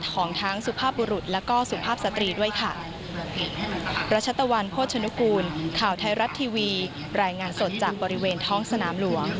ของทั้งสุภาพบุรุษแล้วก็สุภาพสตรีด้วยค่ะ